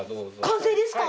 完成ですか？